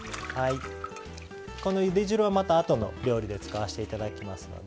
このゆで汁はまたあとの料理で使わせて頂きますので。